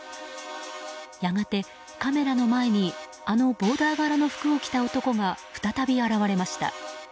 やがて、カメラの前にあのボーダー柄の服を着た男が再び現れました。